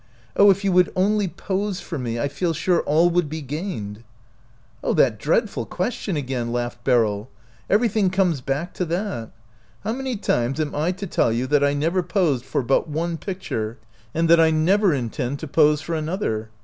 Oh, if you would only pose for me, I feel sure all would be gained!" "Oh, that dreadful question again!" laughed Beryl. " Everything comes back to that. How many times am I to tell you that I never posed for but one picture, and that I never intend to pose for another